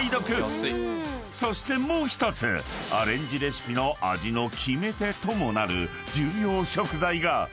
［そしてもう１つアレンジレシピの味の決め手ともなる重要食材が］